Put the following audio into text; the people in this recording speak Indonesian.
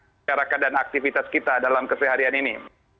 masyarakat dan aktivitas kita dalam keseharian ini